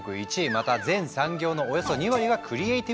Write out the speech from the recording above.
また全産業のおよそ２割がクリエイティブ産業。